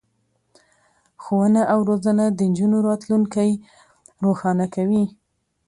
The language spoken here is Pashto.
ښوونه او روزنه د نجونو راتلونکی روښانه کوي.